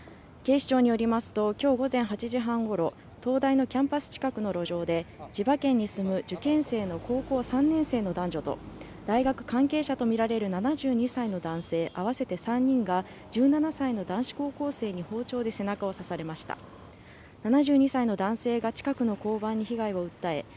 警視庁によりますときょう午前８時半ごろ東大のキャンパス近くの路上で千葉県に住む受験生の高校３年生の男女と大学関係者と見られる７２歳の男性合わせて３人が１７歳の男子高校生に包丁で背中を刺されました７２歳の男性が近くの交番に被害を訴え